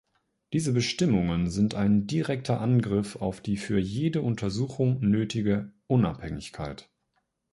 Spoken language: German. Diese Bestimmungen sind ein direkter Angriff auf die für jede Untersuchung nötige Unabhängigkeit.